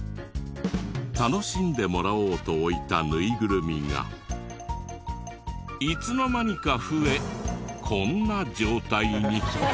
楽しんでもらおうと置いたぬいぐるみがいつの間にか増えこんな状態に。